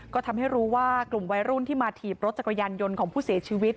ก็ทำให้รู้ว่ากลุ่มวัยรุ่นที่มาถีบรถจักรยานยนต์ของผู้เสียชีวิต